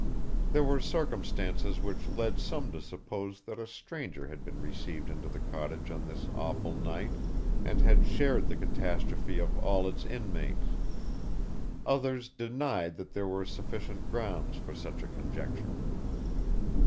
There were circumstances which led some to suppose that a stranger had been received into the cottage on this awful night, and had shared the catastrophe of all its inmates. Others denied that there were sufficient grounds for such a conjecture.